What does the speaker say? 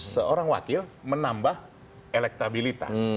seorang wakil menambah elektabilitas